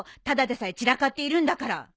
ただでさえ散らかっているんだから。